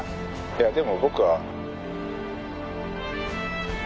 「いやでも僕は」